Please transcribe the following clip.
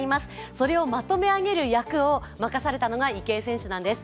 それをまとめ上げる役を任されたのが池江選手なんです。